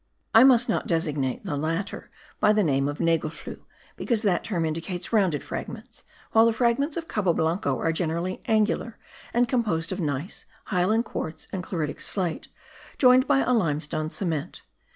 I must not designate the latter by the name of nagelfluhe, because that term indicates rounded fragments, while the fragments of Cabo Blanco are generally angular, and composed of gneiss, hyaline quartz and chloritic slate, joined by a limestone cement.